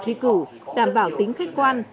khi cử đảm bảo tính khách quan